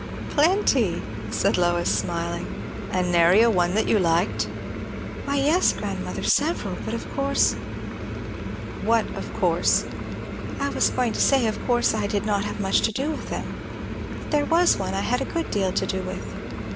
"Plenty!" said Lois, smiling. "An' nary one that you liked?" "Why, yes, grandmother; several; but of course " "What of course?" "I was going to say, of course I did not have much to do with them; but there was one I had a good deal to do with."